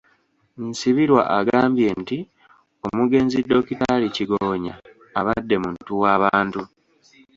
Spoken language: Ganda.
Nsibirwa agambye nti omugenzi Dokitaali Kigonya abadde muntu w'abantu.